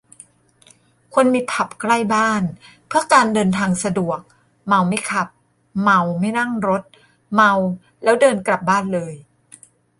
ควรมีผับใกล้บ้าน เพื่อการเดินทางสะดวก เมาไม่ขับ เมาไม่นั่งรถ เมาแล้วเดินกลับบ้านเลย